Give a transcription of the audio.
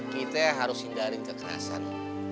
kita harus hindarin kekerasan